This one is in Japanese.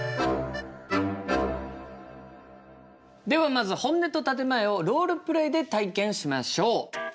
ではまず「本音」と「建て前」をロールプレイで体験しましょう。